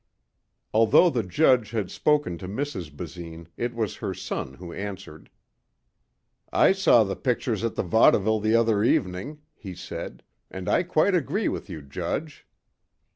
Although the judge had spoken to Mrs. Basine it was her son who answered. "I saw the pictures at the vaudeville the other evening," he said, "and I quite agree with you, Judge."